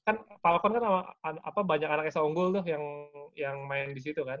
kan falcon kan banyak anak eso unggul tuh yang main di situ kan